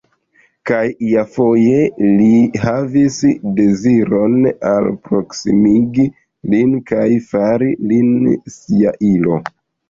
Kaj iafoje li havis deziron alproksimigi lin kaj fari lin sia ilo.